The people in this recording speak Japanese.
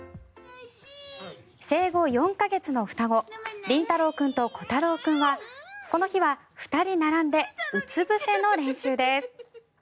生後４か月の双子りんたろう君とこたろう君はこの日は２人並んでうつぶせの練習です。